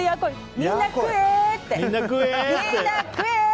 みんなクエって。